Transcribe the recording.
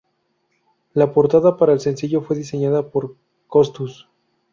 La portada para el sencillo fue diseñada por Costus.